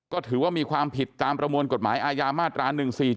ก็ถือว่ามีความผิดตามประมวลกฎหมายอาญามาตรา๑๔๗